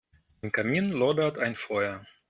Im Kamin lodert ein Feuer.